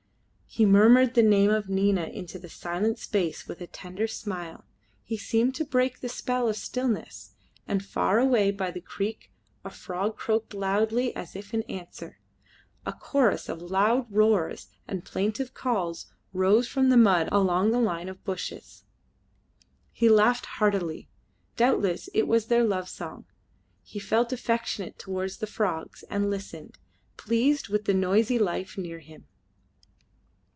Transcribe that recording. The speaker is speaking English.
He murmured the name of Nina into the silent space with a tender smile: this seemed to break the spell of stillness, and far away by the creek a frog croaked loudly as if in answer. A chorus of loud roars and plaintive calls rose from the mud along the line of bushes. He laughed heartily; doubtless it was their love song. He felt affectionate towards the frogs and listened, pleased with the noisy life near him.